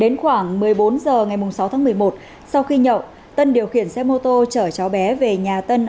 đến khoảng một mươi bốn h ngày sáu tháng một mươi một sau khi nhậu tân điều khiển xe mô tô chở cháu bé về nhà tân